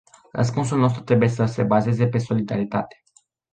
Răspunsul nostru trebuie să se bazeze pe solidaritate.